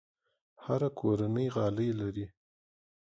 هره کورنۍ غالۍ لري.